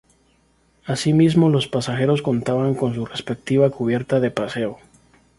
Así mismo, los pasajeros contaban con su respectiva cubierta de paseo.